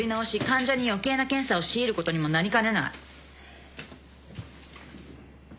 患者に余計な検査を強いることにもなりかねない。